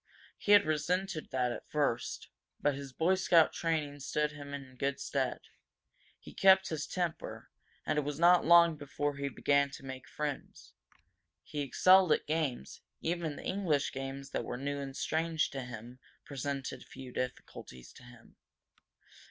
He had resented that at first. But his Boy Scout training stood him in good stead. He kept his temper, and it was not long before he began to make friends. He excelled at games; even the English games that were new and strange to him presented few difficulties to him.